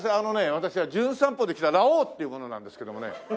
私『じゅん散歩』で来たラオウっていう者なんですけどもね。